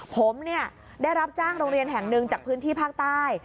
ผมได้รับจ้างโรงเรียนแห่งหนึ่งจากพื้นที่ภาคใต้